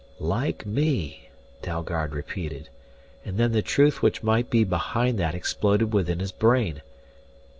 "Like me," Dalgard repeated, and then the truth which might lie behind that exploded within his brain.